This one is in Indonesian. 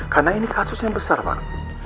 karena ini kasus yang besar pak